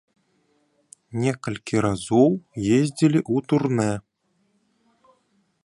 Некалькі разоў ездзілі ў турне.